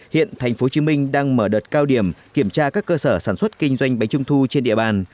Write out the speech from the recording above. hiện tp hcm đang mở đợt cao điểm kiểm tra các cơ sở sản xuất kinh doanh bánh trung thu trên địa bàn